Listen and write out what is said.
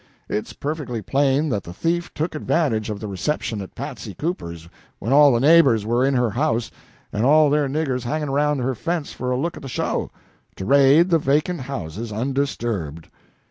It's perfectly plain that the thief took advantage of the reception at Patsy Cooper's when all the neighbors were in her house and all their niggers hanging around her fence for a look at the show, to raid the vacant houses undisturbed.